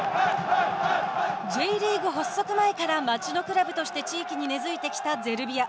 Ｊリーグ発足前から町のクラブとして地域に根づいてきたゼルビア。